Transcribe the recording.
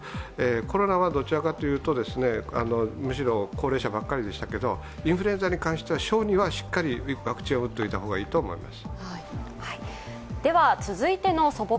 コロナはどちらかというとですね、むしろ、高齢者ばっかりでしたけどインフルエンザに関しては小児はしっかりワクチンを打っておいた方がいいと思います。